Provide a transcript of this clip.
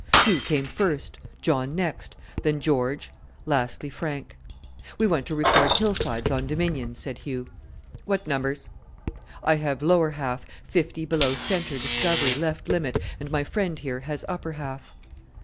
Hugh came first, John next, then George, lastly Frank. "We want to record hillsides on Dominion," said Hugh. "What numbers?" "I have lower half, fifty below centre discovery, left limit, and my friend here has upper half."